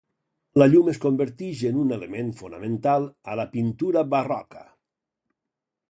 La llum es convertix en un element fonamental a la pintura barroca.